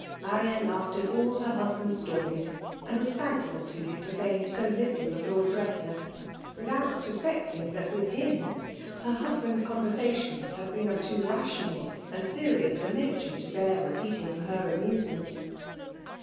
Marian laughed at all her husband's stories* and was thankfid to him for saying so little of Lord Greta ; witliout suspecting that' with him h^r husband's conversations had been of too FEBIAie DOMINATION. £85 rational and serious a nature^ to beat repeat ing for her amnsement.